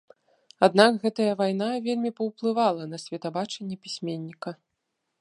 Аднак гэтая вайна вельмі паўплывала на светабачанне пісьменніка.